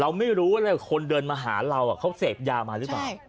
เราไม่รู้ว่าเลยคนเดินมาหาเราเขาเสพยามาหรือเปล่า